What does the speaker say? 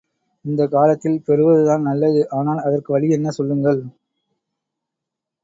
இந்தக் காலத்தில் பெறுவதுதான் நல்லது ஆனால் அதற்கு வழி என்ன, சொல்லுங்கள்.